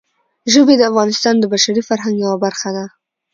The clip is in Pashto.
ژبې د افغانستان د بشري فرهنګ یوه برخه ده.